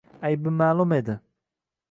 Aybi ma’lum edi